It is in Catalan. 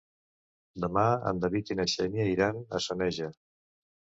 Demà en David i na Xènia iran a Soneja.